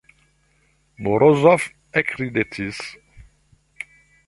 Morozov ekridetis.